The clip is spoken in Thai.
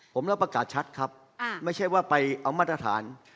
ผมรับประกาศชัดครับไม่ใช่ว่าไปเอามาตรฐาน